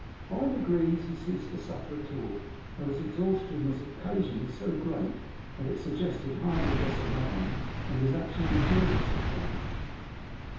By degrees, he ceased to suffer at all; though his exhaustion was occasionally so great that it suggested hardly less alarm than his actual endurance had done.